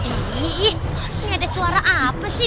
ini ada suara apa sih